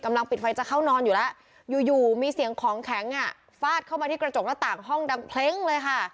ปิดไฟจะเข้านอนอยู่แล้วอยู่อยู่มีเสียงของแข็งอ่ะฟาดเข้ามาที่กระจกหน้าต่างห้องดังเพล้งเลยค่ะ